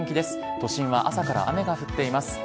都心は朝から雨が降っています。